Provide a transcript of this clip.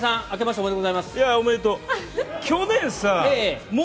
おめでとう。